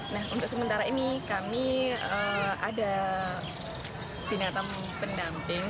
nah untuk sementara ini kami ada binatang pendamping